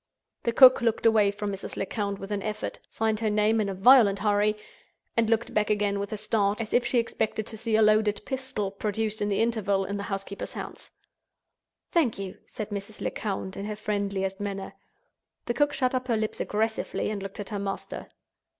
The cook looked away from Mrs. Lecount with an effort—signed her name in a violent hurry—and looked back again with a start, as if she expected to see a loaded pistol (produced in the interval) in the housekeeper's hands. "Thank you," said Mrs. Lecount, in her friendliest manner. The cook shut up her lips aggressively and looked at her master.